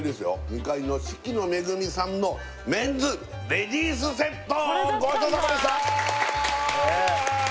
２階の四季の恵さんのメンズレディースセット！